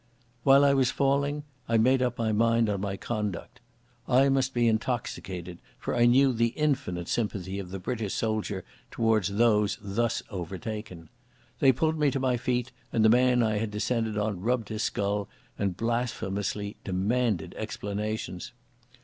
While I was falling I made up my mind on my conduct. I must be intoxicated, for I knew the infinite sympathy of the British soldier towards those thus overtaken. They pulled me to my feet, and the man I had descended on rubbed his skull and blasphemously demanded explanations.